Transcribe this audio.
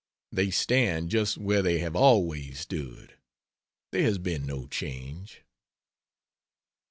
They stand just where they have always stood; there has been no change.